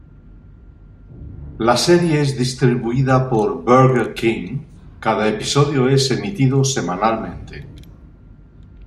La serie es distribuida por Burger King, cada episodio es emitido semanalmente.